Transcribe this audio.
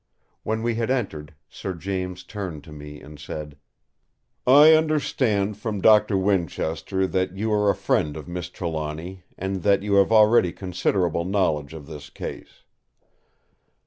When we had entered, Sir James turned to me and said: "I understand from Doctor Winchester that you are a friend of Miss Trelawny, and that you have already considerable knowledge of this case.